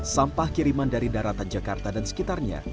sampah kiriman dari daratan jakarta dan sekitarnya